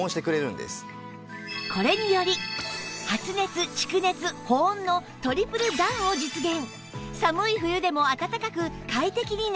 これにより発熱蓄熱保温のトリプル暖を実現！